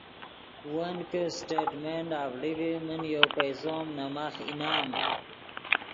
ون کہ سٹیٹمنٹ اڤڑے ڤی من یو پیسو نے ماخ انعام